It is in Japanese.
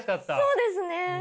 そうですね！